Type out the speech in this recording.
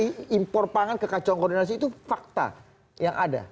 tapi kalau anda lihat impor pangan kekacauan koordinatnya itu fakta yang ada